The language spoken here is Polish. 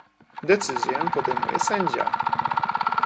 Decyzję podejmuje sędzia